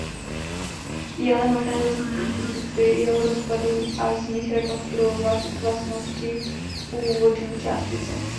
Je ale možné zaznamenat produkty jeho rozpadu a z nich rekonstruovat vlastnosti původní částice.